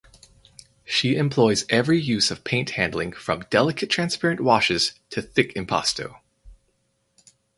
She employs every use of paint handling from delicate transparent washes to thick impasto.